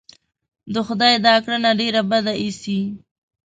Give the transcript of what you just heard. د خدای دا کړنه ډېره بده اېسي.